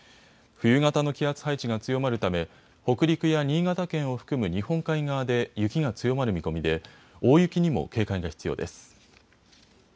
冬型の気圧配置が強まるため北陸や新潟県を含む日本海側で雪が強まる見込みで大雪にも警戒が必要です。